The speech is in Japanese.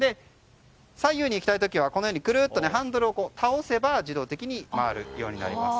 左右に行きたい時はくるっとハンドルを倒せば自動的に回るようになります。